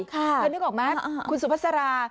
เธอนึกออกไหมคุณสุภาษารา